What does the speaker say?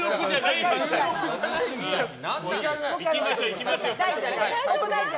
いきましょう。